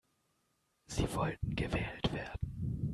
Sie wollten gewählt werden.